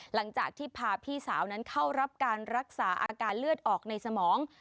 หลังจากที่พาพี่สาวนั้นเข้ารับการรักษาอาการเลือดออกในสมอง